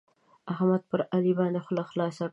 احمد پر علي باندې خوله خلاصه کړه.